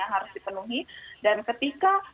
harus dipenuhi dan ketika